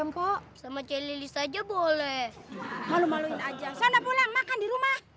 malu maluin aja sonda pulang makan di rumah